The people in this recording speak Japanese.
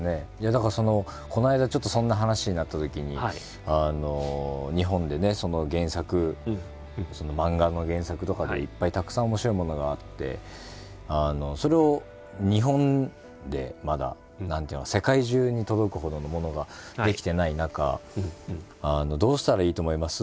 だからそのこの間ちょっとそんな話になったときに日本でねその原作漫画の原作とかでいっぱいたくさん面白いものがあってそれを日本でまだ世界中に届くほどのものが出来てない中どうしたらいいと思います？